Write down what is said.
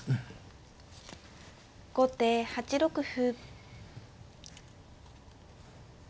後手８六歩。